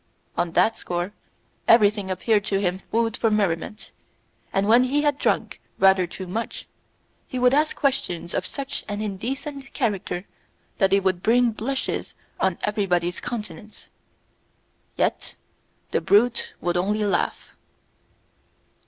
On that score, everything appeared to him food for merriment, and when he had drunk rather too much, he would ask questions of such an indecent character that they would bring blushes on everybody's countenance. Yet the brute would only laugh.